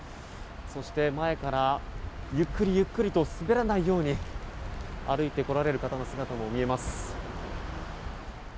そして、前からゆっくりゆっくりと滑らないように歩いて来られる方の姿も見えます。